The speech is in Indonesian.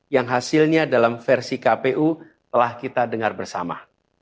yang hasilnya dalam versi kpu telah kita dengar bersama